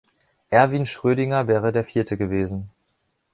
Erwin Schrödinger wäre der vierte gewesen.